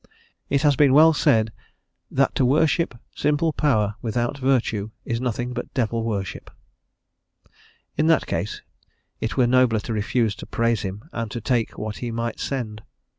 It has been well said, "that to worship simple power, without virtue, is nothing but devil worship;" in that case it were nobler to refuse to praise him and to take what he might send.